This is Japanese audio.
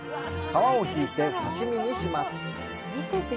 皮をひいて刺身にします。